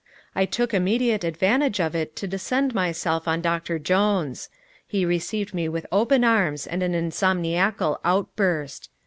I took immediate advantage of it to descend myself on Doctor Jones. He received me with open arms and an insomniacal outburst.